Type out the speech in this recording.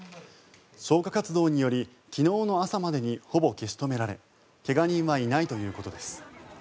消火活動により昨日の朝までにほぼ消し止められ怪我人はいないということです。